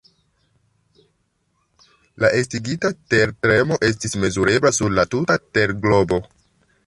La estigita tertremo estis mezurebla sur la tuta terglobo.